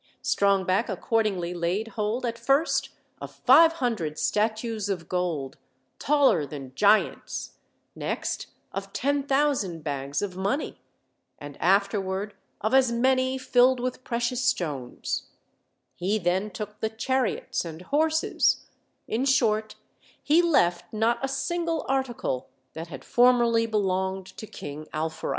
Strongback accordingly laid hold at first of five hundred statues of gold, taller than giants, next of ten thousand bags of money, and afterward of as many filled with pre cious stones; he then took the chariots and horses: in short, he left not a single article that had formerly be longed to King Alfourite.